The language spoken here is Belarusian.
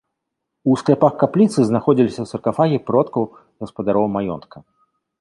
У скляпах капліцы знаходзіліся саркафагі продкаў гаспадароў маёнтка.